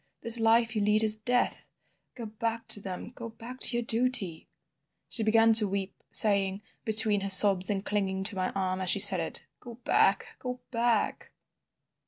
This life you lead is Death. Go back to them, go back to your duty—' "She began to weep, saying, between her sobs, and clinging to my arm as she said it, 'Go back—Go back.